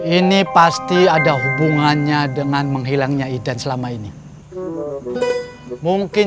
ini pasti ada hubungannya dengan menghilangnya idan selama ini